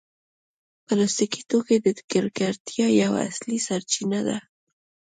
پلاستيکي توکي د ککړتیا یوه اصلي سرچینه ده.